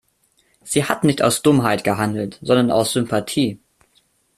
Sie hat nicht aus Dummheit gehandelt, sondern aus Sympathie.